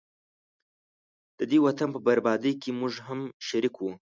ددې وطن په بربادۍ کي موږه هم شریک وو